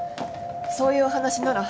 そういうお話なら。